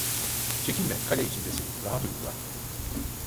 Çekinme, kale içindesin, rahat uyukla…